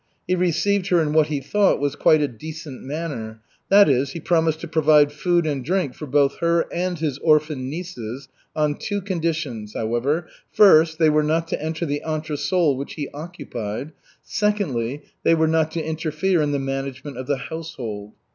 He received her in what he thought was quite a decent manner, that is, he promised to provide food and drink for both her and his orphan nieces, on two conditions, however, first, they were not to enter the entresol which he occupied; secondly, they were not to interfere in the management of the household.